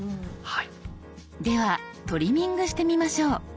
ではトリミングしてみましょう。